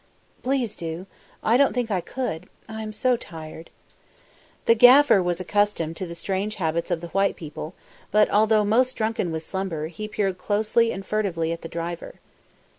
"Please do. I don't think I could I am so tired." The gafir was accustomed to the strange habits of the white people, but, although almost drunken with slumber, he peered closely and furtively at the driver.